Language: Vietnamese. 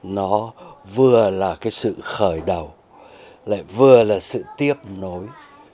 nó vừa là cái sự khởi đầu lại vừa là sự tiếp nối